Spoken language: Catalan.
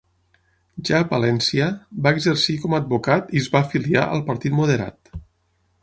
Ja a Palència, va exercir com a advocat i es va afiliar al Partit Moderat.